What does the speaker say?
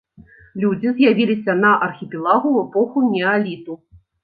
Людзі з'явіліся на архіпелагу ў эпоху неаліту.